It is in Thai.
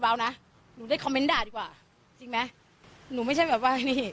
อย่าติดว้าว